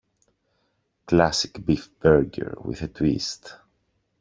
Classic beef burger, with a twist.